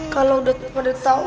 kalau sudah pada tahu